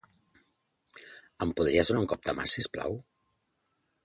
Em podries donar un cop de mà, si us plau?